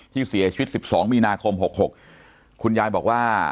ที่เสียชีวิตสิบสองมีนาคมหกหกคุณยายบอกว่า